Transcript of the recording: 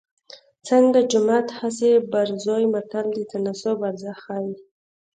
څنګه جومات هسې بروزې متل د تناسب ارزښت ښيي